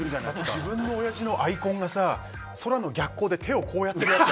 自分のおやじのアイコンがさ空の逆光で手をこうやっているやつ。